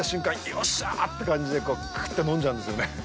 よっしゃーって感じでクーっと飲んじゃうんですよね。